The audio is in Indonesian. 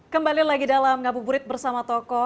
kembali lagi dalam ngapu burit bersama taukoko